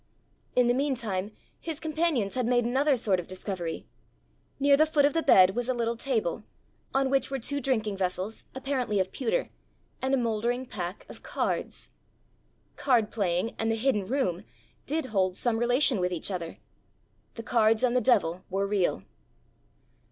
In the meantime his companions had made another sort of discovery: near the foot of the bed was a little table, on which were two drinking vessels, apparently of pewter, and a mouldering pack of cards! Card playing and the hidden room did hold some relation with each other! The cards and the devil were real!